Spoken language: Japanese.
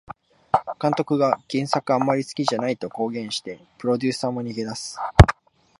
監督が原作あんまり好きじゃないと公言してプロデューサーも逃げ出す